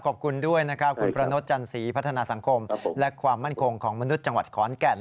ขอบคุณด้วยนะครับคุณประนดจันสีพัฒนาสังคมและความมั่นคงของมนุษย์จังหวัดขอนแก่น